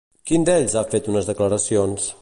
Quin d'ells ha fet unes declaracions?